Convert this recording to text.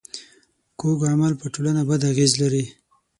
کوږ عمل پر ټولنه بد اغېز لري